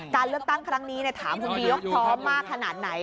การเลือกตั้งครั้งนี้ถามคุณปียกพร้อมมากขนาดไหน